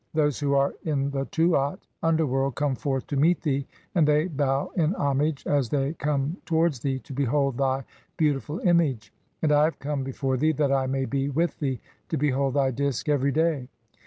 (11) Those who are in "the Tuat (underworld) come forth to meet thee, and thev bow "in homage as they come towards thee, to behold [thv] (12) "beautiful Image. And I have come before thee that I may be "with thee to behold thy Disk every day.